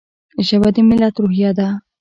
ژبه د ملت روحیه ده.